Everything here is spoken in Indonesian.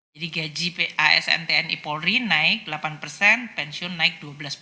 jadi gaji pas ntn e polri naik delapan pensiun naik dua belas